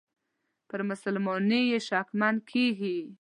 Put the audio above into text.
پر مسلماني یې شکمن کیږي.